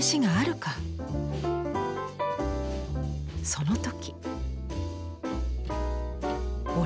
その時。